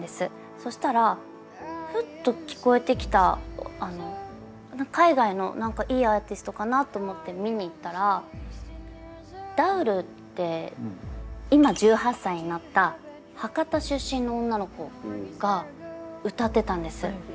そしたらふっと聴こえてきた海外の何かいいアーティストかなと思って見に行ったらＤｏｕｌって今１８歳になった博多出身の女の子が歌ってたんです。